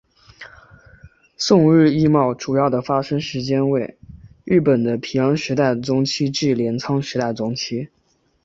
宋日贸易主要的发生时间为日本的平安时代中期至镰仓时代中期。